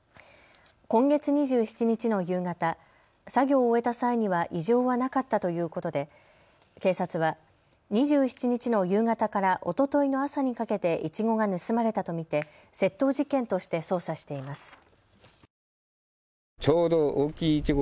今月２７日の夕方、作業を終えた際には異常はなかったということで警察は２７日の夕方からおとといの朝にかけていちごが盗まれたと見て、窃盗事件として捜査しています。